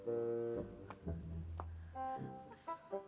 pak haki cepetan